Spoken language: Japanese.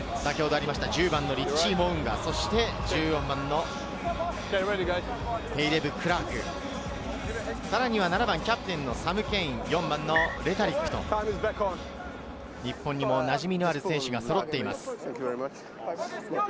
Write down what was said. １０番にリッチー・モウンガ、そしてクラーク、７番、キャプテンのサム・ケイン、４番のレタリック、日本にもなじみのある選手がそろっています。